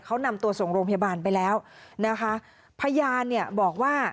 เขานำตัวส่งโรงพยาบาลไปแล้วนะคะพยานเนี่ยบอกว่า